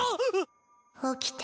起きて。